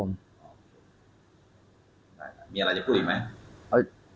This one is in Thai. มีอะไรจะพูดอีกไหม